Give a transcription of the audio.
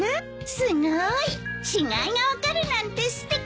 すごい！違いが分かるなんてすてき。